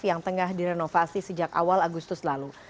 yang tengah direnovasi sejak awal agustus lalu